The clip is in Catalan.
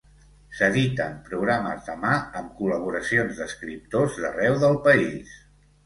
S'editen programes de mà amb col·laboracions d'escriptors d'arreu del país.